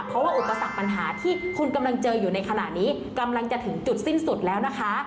เพราะว่าอุปสรรคปัญหาที่คุณกำลังเจออยู่ในขณะนี้กำลังจะถึงจุดสิ้นสุดแล้วนะคะ